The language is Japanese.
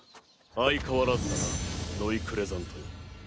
相変わらずだなノイ＝クレザントよ。